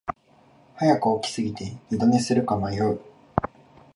早く起きすぎて二度寝するか迷う